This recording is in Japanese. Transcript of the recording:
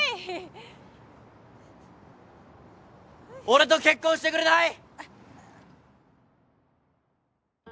俺と結婚してくれない？